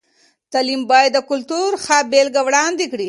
تعلیم باید د کلتور ښه بېلګه وړاندې کړي.